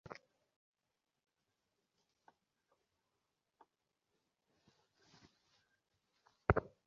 কিন্তু ওতে আরাম আছে।